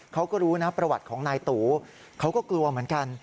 เขาก็รู้นะประวัติของนายตูเขาก็กลัวเหมือนกัน